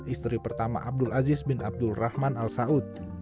istri pertama abdul aziz bin abdul rahman al saud